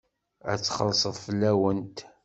Ad xellṣeɣ fell-awent.